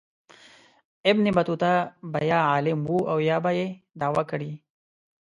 ابن بطوطه به یا عالم و او یا به یې دعوه کړې.